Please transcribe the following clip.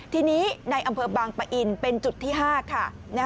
ทีนี้ในอำเภอบางปะอินเป็นจุดที่๕ค่ะ